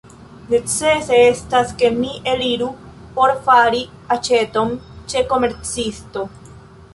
Necese estas, ke mi eliru por fari aĉeton ĉe komercisto.